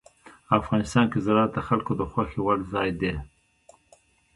افغانستان کې زراعت د خلکو د خوښې وړ ځای دی.